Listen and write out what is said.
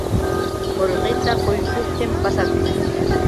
Qullqita quykuptin pasakun.